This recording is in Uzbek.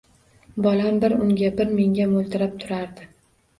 Bolam bir unga, bir menga mo`ltirab turardi